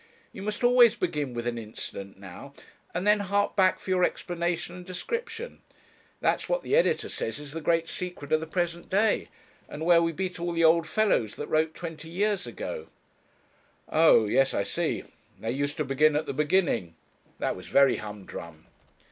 You must always begin with an incident now, and then hark back for your explanation and description; that's what the editor says is the great secret of the present day, and where we beat all the old fellows that wrote twenty years ago.' 'Oh! yes I see. They used to begin at the beginning; that was very humdrum.'